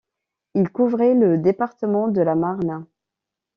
Il couvrait le département de la Marne.